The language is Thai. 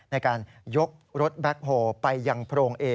ในการยกรถแบ็คโฮลไปยังโพรงเอ